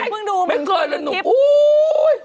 ใช่ไปเบ๊คเกิดละหนูโอ๊ย